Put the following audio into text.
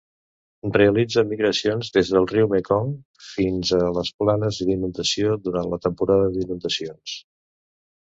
Realitza migracions des del riu Mekong fins a les planes d'inundació durant la temporada d'inundacions.